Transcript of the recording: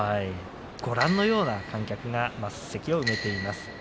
ご覧のような観客が升席を埋めています。